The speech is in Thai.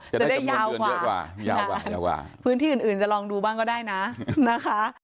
จะได้ยาวกว่าเยอะกว่ายาวกว่าเยอะกว่าพื้นที่อื่นอื่นจะลองดูบ้างก็ได้นะนะคะ